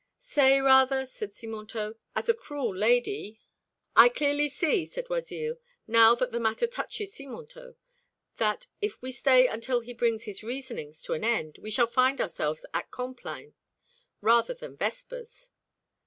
"Say, rather," answered Simontault, "as a cruel lady '" "I clearly see," said Oisille, "now that the matter touches Simontault, that, if we stay until he brings his reasonings to an end, we shall find ourselves at complines (3) rather than vespers.